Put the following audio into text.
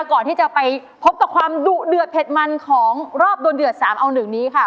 ก่อนที่จะไปพบกับความดุเดือดเผ็ดมันของรอบโดนเดือด๓เอา๑นี้ค่ะ